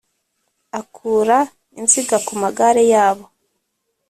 Akura inziga ku magare yabo